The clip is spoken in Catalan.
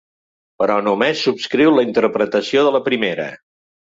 Però només subscriu la interpretació de la primera.